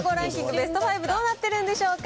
ベスト５どうなってるんでしょうか。